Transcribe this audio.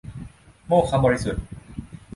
โมกขบริสุทธิ์